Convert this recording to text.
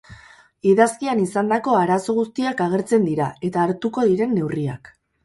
Idazkian izandako arazo guztiak agertzen dira eta hartuko diren neurriak.